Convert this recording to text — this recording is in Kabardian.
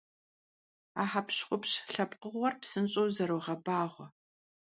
А хьэпщхупщ лъэпкъыгъуэр псынщIэу зэрогъэбагъуэ.